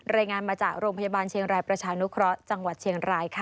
รายงานมาจากโรงพยาบาลเชียงรายประชานุเคราะห์จังหวัดเชียงรายค่ะ